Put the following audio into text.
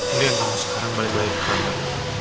ini yang tahu sekarang balik balik ke kabar